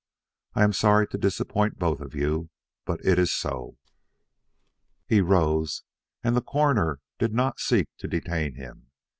I am sorry to disappoint both of you, but it is so." He rose, and the Coroner did not seek to detain him.